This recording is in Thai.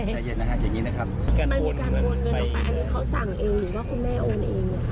มันมีการโวนเงินออกไปอันนี้เขาสั่งเองหรือว่าคุณแม่โอนเอง